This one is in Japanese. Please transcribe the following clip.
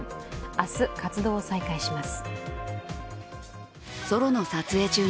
明日、活動を再開します。